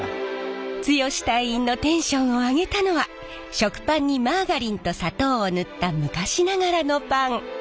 剛隊員のテンションを上げたのは食パンにマーガリンと砂糖を塗った昔ながらのパン。